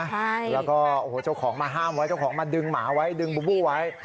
ใช่แล้วก็โอ้โหเจ้าของมาห้ามไว้เจ้าของมาดึงหมาไว้ดึงบูบูไว้